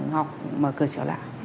học mở cửa trở lại